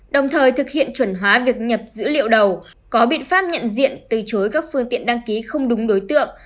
đồng thời thực hiện chuẩn hóa việc nhập dữ liệu đầu có biện pháp nhận diện từ chối các phương tiện đăng ký không đúng đối tượng